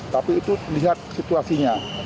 tapi itu lihat situasinya